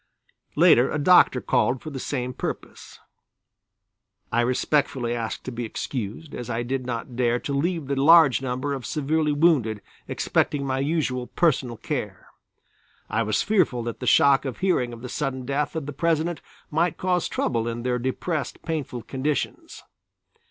Later a doctor called for the same purpose. I respectfully asked to be excused, as I did not dare to leave the large number of severely wounded expecting my usual personal care. I was fearful that the shock of hearing of the sudden death of the President might cause trouble in their depressed painful conditions.